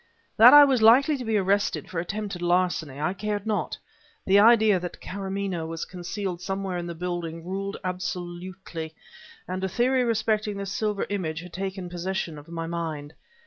That I was likely to be arrested for attempted larceny I cared not; the idea that Karamaneh was concealed somewhere in the building ruled absolutely, and a theory respecting this silver image had taken possession of my mind.